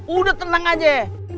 udah tenang aja